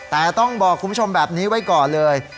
แต่ต้องบอกคุณผู้ชมแบบนี้ไว้ก่อนเลย